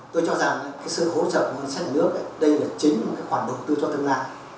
tôi cho rằng cái sự hỗ trợ của ngân sách nhà nước đây là chính một cái khoản đầu tư cho tương lai